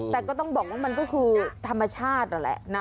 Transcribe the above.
แต่ก็ต้องบอกว่ามันก็คือธรรมชาตินั่นแหละนะ